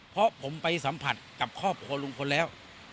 เพราะผมไปสัมผัสกับครอบครัวลุงพลแล้ว